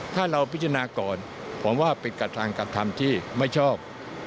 ถ้าเราพิจารณาก่อนผมว่าเป็นการทำที่ไม่ชอบ